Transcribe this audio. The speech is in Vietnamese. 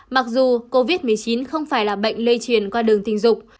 mặc dù covid một mươi chín không phải là bệnh lây truyền qua đường tình dục